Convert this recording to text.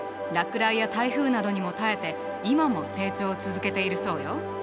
落雷や台風などにも耐えて今も成長を続けているそうよ。